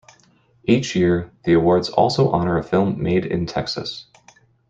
Each year, the Awards also honor a film made in Texas.